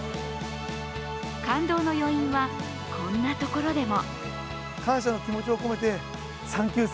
感動の余韻は、こんなところでも。